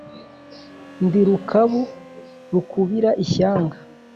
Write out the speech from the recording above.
Ndi Rukabu rukubira ishyanga